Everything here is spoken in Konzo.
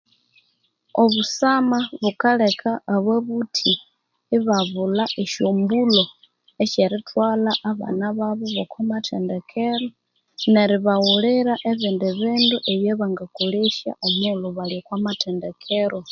Obusama bukaleka ababuthi ibabulha esyo mbulho esye rithwalha abana babo boko mathendekero ne ribaghulira ebindi bindu ebya bangakolesya omughulhu bali okwa mathendekero